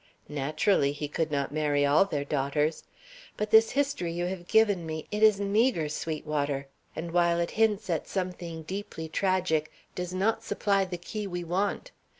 "Naturally; he could not marry all their daughters. But this history you have given me: it is meagre, Sweetwater, and while it hints at something deeply tragic, does not supply the key we want.